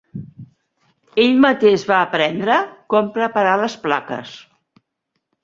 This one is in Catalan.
Ell mateix va aprendre com preparar les plaques.